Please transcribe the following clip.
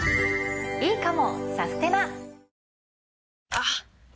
あっ！